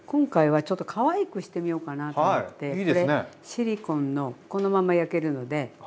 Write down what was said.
シリコンのこのまま焼けるので。